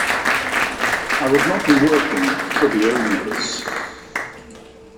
I would not be working "for the owners".